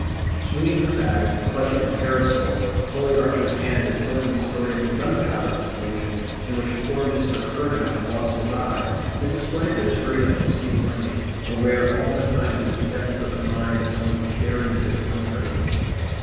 Swinging her bag, clutching her parasol, holding Archer's hand, and telling the story of the gunpowder explosion in which poor Mr. Curnow had lost his eye, Mrs. Flanders hurried up the steep lane, aware all the time in the depths of her mind of some buried discomfort.